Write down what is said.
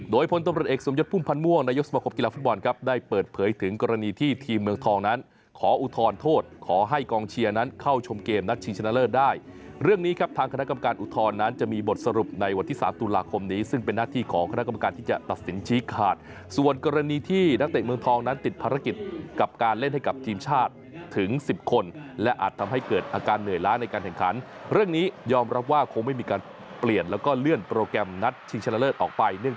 โดยพลตำรวจเอกสมยดพุ่มพันธ์ม่วงในยกสมครบกีฬาฟุตบอลครับได้เปิดเผยถึงกรณีที่ทีมเมืองทองนั้นขออุทธรณ์โทษขอให้กองเชียร์นั้นเข้าชมเกมนัดชิงชะนะเลิศได้เรื่องนี้ครับทางคณะกรรมการอุทธรณ์นั้นจะมีบทสรุปในวันที่๓ตุลาคมนี้ซึ่งเป็นหน้าที่ของคณะกรรมการที่จะตัดส